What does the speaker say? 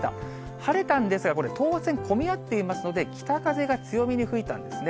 晴れたんですが、これ、当然、混み合っていますので、北風が強めに吹いたんですね。